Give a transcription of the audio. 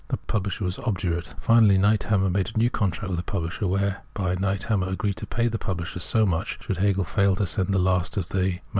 The publisher was; obdurate. Finally, Niethammer made a new contract with the pubhsher, whereby Niethammer agreed to pay the pubhsher so much should Hegel fail to senc the last of the MS.